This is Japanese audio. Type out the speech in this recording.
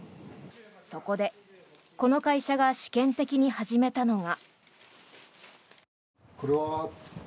そこで、この会社が試験的に始めたのが。